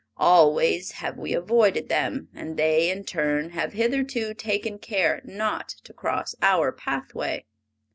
Always have we avoided them, and they, in turn, have hitherto taken care not to cross our pathway.